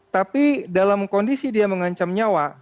tapi dalam kondisi dia mengancam nyawa